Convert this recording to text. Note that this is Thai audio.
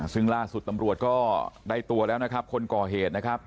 ซึ่งล่าสุดตำรวจก็ได้ตัวแล้วนะครับคนก่อเหตุนะครับ